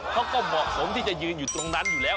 เขาก็เหมาะสมที่จะยืนอยู่ตรงนั้นอยู่แล้ว